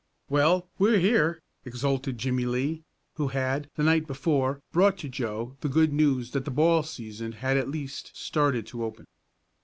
"Well, we're here!" exulted Jimmie Lee, who had, the night before, brought to Joe the good news that the ball season had at least started to open.